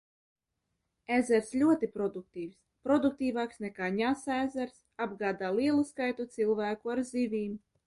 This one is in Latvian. Ezers ļoti produktīvs, produktīvāks nekā Ņasaa ezers, apgādā lielu skaitu cilvēku ar zivīm.